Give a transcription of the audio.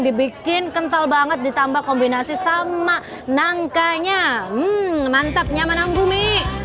dibikin kental banget ditambah kombinasi sama nangka nya mantap nyaman onggumi